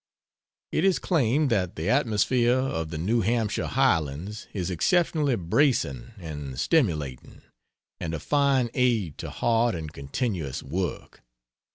It is claimed that the atmosphere of the New Hampshire highlands is exceptionally bracing and stimulating, and a fine aid to hard and continuous work.